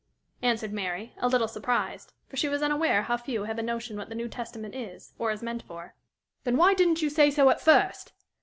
answered Mary, a little surprised; for she was unaware how few have a notion what the New Testament is, or is meant for. "Then why didn't you say so at first?